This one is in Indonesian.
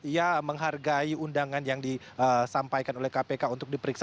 ia menghargai undangan yang disampaikan oleh kpk untuk diperiksa